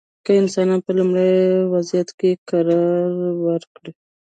که انسانان په لومړني وضعیت کې قرار ورکړو.